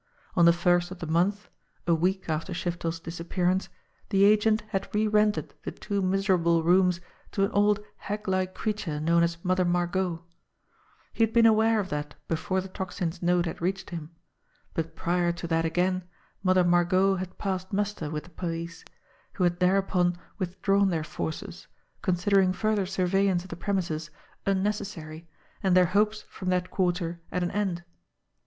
On the first of the month, a week after Shiftel's disappearance, the agent had re rented the two miserable rooms to an old hag Mke creature known as Mother Margot. He had been aware of that before the Tocsin's note had reached him. But prior to that again Mother Margot had passed muster with the police, who had thereupon withdrawn their forces, con sidering further surveillance of the premises unnecessary and their hopes from that quarter at an end.